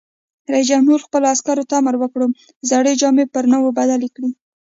رئیس جمهور خپلو عسکرو ته امر وکړ؛ زړې جامې پر نوو بدلې کړئ!